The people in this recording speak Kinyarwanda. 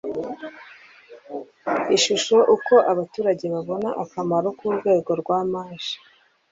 ishusho uko abaturage babona akamaro k urwego rwa maj